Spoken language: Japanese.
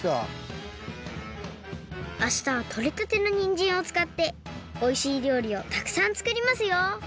あしたはとれたてのにんじんをつかっておいしいりょうりをたくさんつくりますよ！